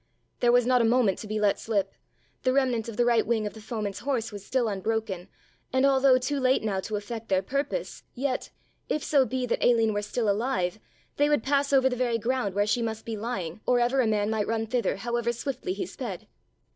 There was not a moment to be let slip, the remnant of the right wing of the foemen's horse was still unbroken, and although too late now to effect their purpose, yet, if so be that Aline were still alive, they would pass over the very ground where she must be lying or ever a man might run thither, however swiftly he sped.